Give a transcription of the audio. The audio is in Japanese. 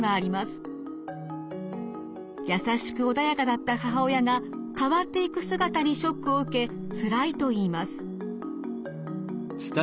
優しく穏やかだった母親が変わっていく姿にショックを受けつらいと言います。